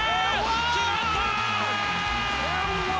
決まった！